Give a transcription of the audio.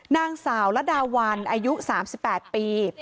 นางสาวระดาวันอายุ๓๘ปี